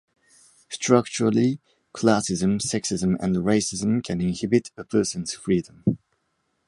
Structurally, classism, sexism, and racism can inhibit a person's freedom.